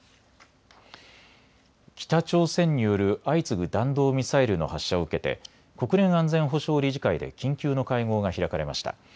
北朝鮮による相次ぐ弾道ミサイルの発射を受けて国連安全保障理事会で緊急の会合が開かれました。